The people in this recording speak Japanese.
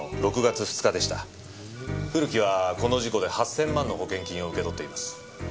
古木はこの事故で８０００万の保険金を受け取っています。